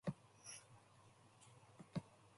Reeves retired and Democrat Janet Cowell won the open seat.